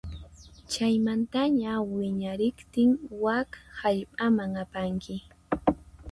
Chaymantaña wiñariqtin wak hallp'aman apanki.